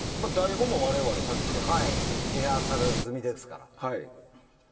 リハーサル済みですから。